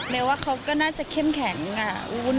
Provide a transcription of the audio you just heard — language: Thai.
แม้ว่าเขาก็น่าจะเข้มแข็ง